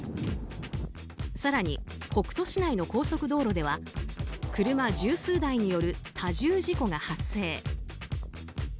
更に、北斗市内の高速道路では車十数台による多重事故が発生。